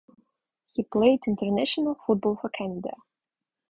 He played international football for Canada.